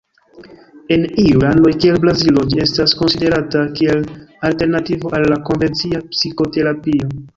En iuj landoj kiel Brazilo ĝi estas konsiderata kiel alternativo al la konvencia psikoterapio.